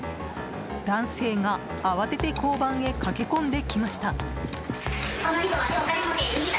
男性が慌てて交番へ駆け込んできました。